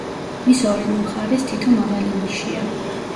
მის ორივე მხარეს თითო მაღალი ნიშია.